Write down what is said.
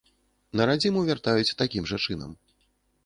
На радзіму вяртаюць такім жа чынам.